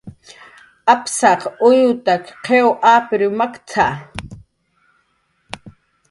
"Apsaq uyutak qiw apriw makt""a"